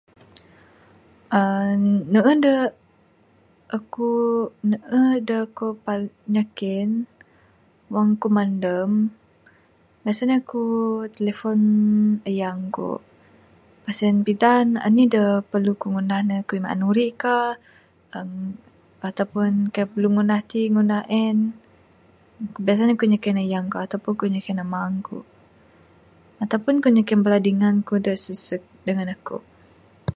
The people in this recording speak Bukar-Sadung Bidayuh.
uhh Ne'uh da aku', ne'uh da ku'paling nyiken wang ku' mandam, biasa ne ku' telefon tayang ku'. Muh sien pidaan anih da perlu ku' ngundah ne. Ku' maan urik kah, uhh atau pun kai' perlu ngundah ti ngundah en. Biasa ne ku' nyiken tayang ku' atau ku' nyiken amang ku' atau pun ku' nyiken bala dingan ku' da sesuk dengan aku'.